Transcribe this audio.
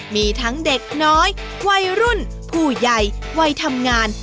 มีทั้งเด็กน้อยวัยรุ่นผู้ใหญ่วัยทำงาน